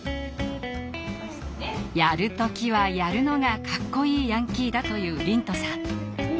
「やるときはやる」のがかっこいいヤンキーだという龍翔さん。